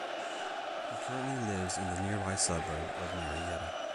He currently lives in the nearby suburb of Marietta.